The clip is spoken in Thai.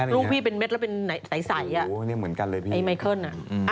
ลูกพี่เป็นเม็ดแล้วเป็นไตไสไอไมเคิลอ่ะ